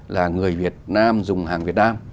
là người việt nam dùng hàng việt nam